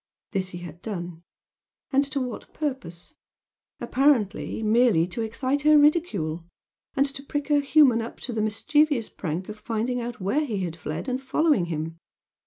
This he had done and to what purpose? Apparently merely to excite her ridicule! and to prick her humor up to the mischievous prank of finding out where he had fled and following him!